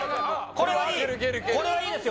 これはいいですよ。